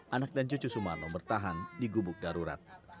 anak dan cucu sumarno bertahan di gubuk darurat